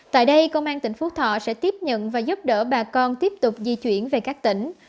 tại đây công an tỉnh phú thọ sẽ tiếp nhận và giúp đỡ bà con tiếp tục di chuyển về các tỉnh